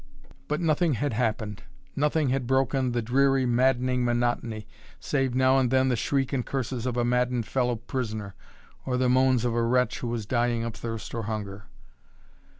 But nothing had happened. Nothing had broken the dreary, maddening monotony, save now and then the shriek and curses of a maddened fellow prisoner, or the moans of a wretch who was dying of thirst or hunger.